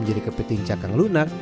menjadi kepiting cakang lunak